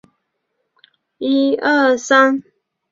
胡店乡是中国陕西省宝鸡市陈仓区下辖的一个乡。